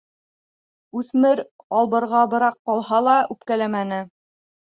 Үҫмер, албырғабыраҡ ҡалһа ла, үпкәләмәне.